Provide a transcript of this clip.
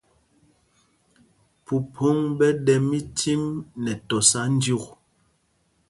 Mpumpoŋ ɓɛ ɗɛ micim nɛ tɔsa jyûk.